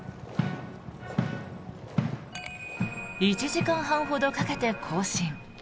１時間半ほどかけて行進。